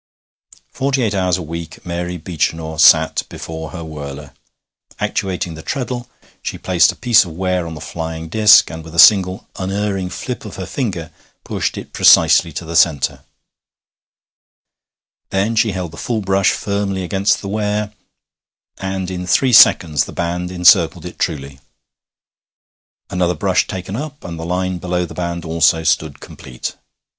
Forty eight hours a week Mary Beechinor sat before her whirler. Actuating the treadle, she placed a piece of ware on the flying disc, and with a single unerring flip of the finger pushed it precisely to the centre; then she held the full brush firmly against the ware, and in three seconds the band encircled it truly; another brush taken up, and the line below the band also stood complete.